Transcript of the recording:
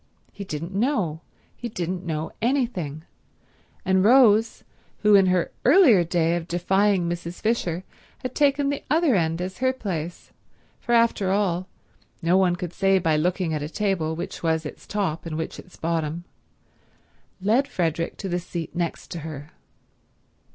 He didn't know; he didn't know anything—and Rose, who in her earlier day of defying Mrs. Fisher had taken the other end as her place, for after all no one could say by looking at a table which was its top and which its bottom, led Frederick to the seat next to her.